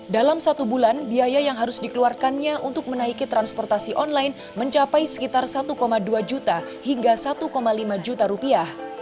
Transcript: dalam satu bulan biaya yang harus dikeluarkannya untuk menaiki transportasi online mencapai sekitar satu dua juta hingga satu lima juta rupiah